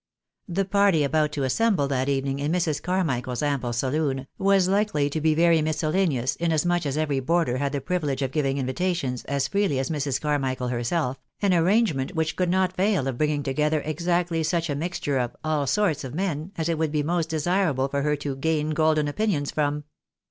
The party about to assemble that evening, in j\lrs. Car michael's ample saloon, was likely to be very miscellaneous, inas much as every boarder had the privilege of giving invitations, as freely as Mrs. Carmichael herself, an arrangement which could not fail of bringing together exactly such a mixture of " all sorts of men," as it would be most desirable for her to "gain golden opinions " from.